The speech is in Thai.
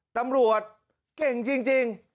ตำรวจเก่งจริงจริง